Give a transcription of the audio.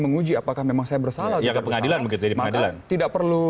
menguji apakah memang saya bersalah atau tidak bersalah